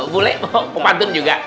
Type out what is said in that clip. boleh mau paden juga